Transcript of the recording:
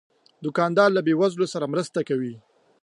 دوکاندار له بې وزلو سره مرسته کوي.